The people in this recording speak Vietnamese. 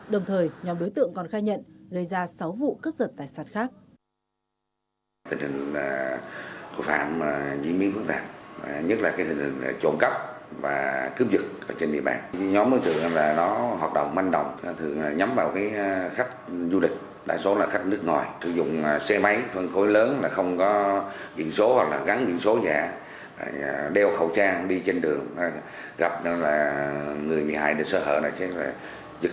đồng thời nhóm đối tượng còn khai nhận gây ra sáu vụ cướp giật tài sản khác